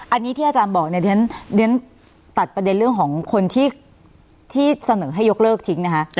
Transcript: อันนี้ที่อาจารย์บอกเนี่ยเรียนตัดประเด็นเรื่องของคนที่เสนอให้ยกเลิกทิ้งนะคะ